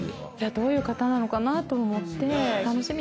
どういう方なのかなと思って。